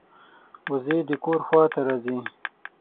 وزې د کور خوا ته راځي